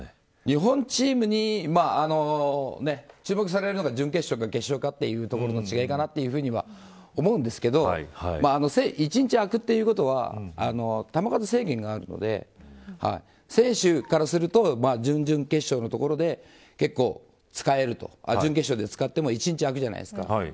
日本チームに注目されるのが準決勝か決勝かの違いかと思うんですが１日空くということは球数制限があるので選手からすると準々決勝のところで準決勝で使っても１日あるじゃないですか。